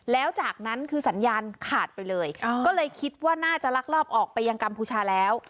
แล้วจากนั้นคือสัญญาณขาดไปเลยก็เลยคิดว่าน่าจะลักลอบออกไปยังกัมพูชาแล้ว